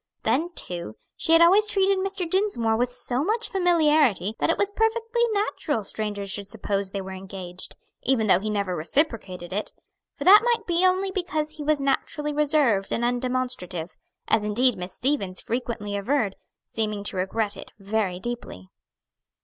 Then, too, she had always treated Mr. Dinsmore with so much familiarity that it was perfectly natural strangers should suppose they were engaged, even though he never reciprocated it; for that might be only because he was naturally reserved and undemonstrative; as indeed Miss Stevens frequently averred, seeming to regret it very deeply.